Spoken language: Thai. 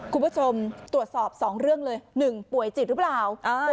คุณผู้ชมตรวจสอบ๒เรื่องเลย๑ป่วยจิตหรือเปล่า